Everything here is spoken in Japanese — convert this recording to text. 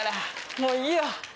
もういいよ